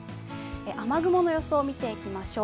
雨雲の予想を見ていきましょう。